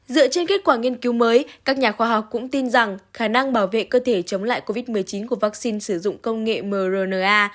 dựa trên kết quả nghiên cứu mới các nhà khoa học cũng tin rằng khả năng bảo vệ cơ thể chống lại covid một mươi chín của vaccine sử dụng công nghệ mrna